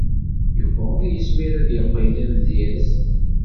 Yuba ur yezmir ad yeqqel d amedyaz.